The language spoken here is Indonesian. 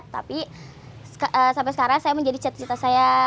tapi sampai sekarang saya menjadi cita cita saya